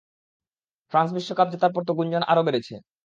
France বিশ্বকাপ জেতার পর তো গুঞ্জন আরও বেড়েছে।